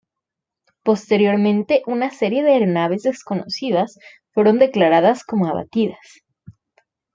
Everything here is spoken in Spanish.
Posteriormente, una serie de aeronaves desconocidas fueron declaradas como abatidas.